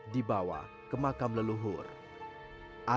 di bawah ke makam leluhur mereka